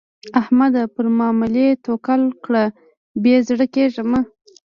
احمده؛ پر ماملې توکل کړه؛ بې زړه کېږه مه.